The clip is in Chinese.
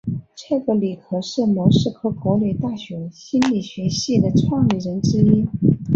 蔡格尼克是莫斯科国立大学心理学系的创立人之一。